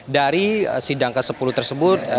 dari sidang ke sepuluh tersebut